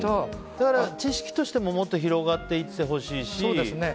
だから知識としてももっと広がっていってほしいし。